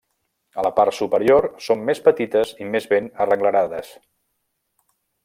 A la part superior són més petites i més ben arrenglerades.